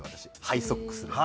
ハイソックスで。